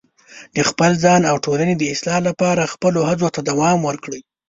د خپل ځان او ټولنې د اصلاح لپاره خپلو هڅو ته دوام ورکړئ.